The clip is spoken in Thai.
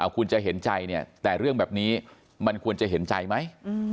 คุณจะเห็นใจเนี่ยแต่เรื่องแบบนี้มันควรจะเห็นใจไหม